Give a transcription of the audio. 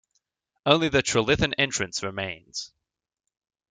Only the Trilithon Entrance remains.